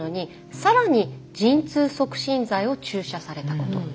更に陣痛促進剤を注射されたこと」。